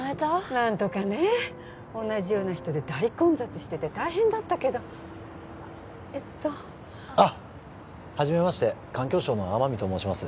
何とかね同じような人で大混雑してて大変だったけどえっとあっはじめまして環境省の天海と申します